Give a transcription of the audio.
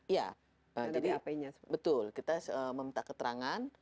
iya betul kita meminta keterangan